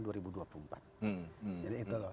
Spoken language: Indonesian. jadi itu loh